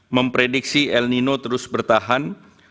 memprediksi el nino terus bertahan